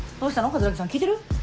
桂木さん聞いてる？